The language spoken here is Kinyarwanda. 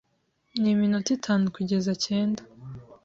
Ni iminota itanu kugeza cyenda.